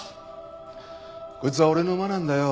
こいつは俺の馬なんだよ。